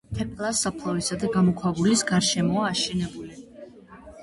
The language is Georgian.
თეკლას საფლავისა და გამოქვაბულის გარშემოა აშენებული.